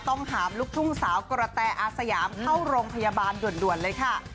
หามลูกทุ่งสาวกระแตอาสยามเข้าโรงพยาบาลด่วนเลยค่ะ